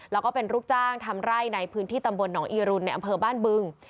แล้วก็เป็นลูกจ้างทำไร่ในพื้นที่ตำบลหนองอีรุนในอำเภอบ้านบึง